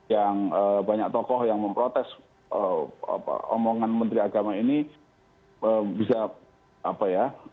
yang banyak tokoh yang memprotes omongan menteri agama ini bisa apa ya